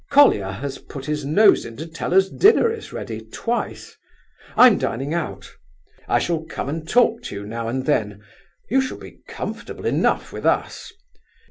Colia has put his nose in to tell us dinner is ready, twice. I'm dining out. I shall come and talk to you now and then; you shall be comfortable enough with us.